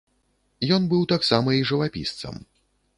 Ён быў таксама і жывапісцам.